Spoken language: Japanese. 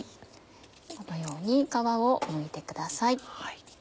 このように皮をむいてください。